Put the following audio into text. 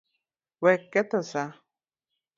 Wek ketho saa.